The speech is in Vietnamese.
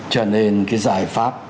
cho nên cái giải pháp